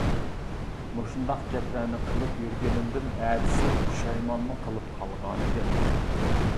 مۇشۇنداق گەپلەرنى قىلىپ يۈرگىنىمدىن ئەتىسى پۇشايمانمۇ قىلىپ قالغانىدىم.